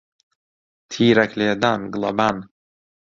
تیرەک لێدان، گڵەبان